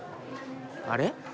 あれ？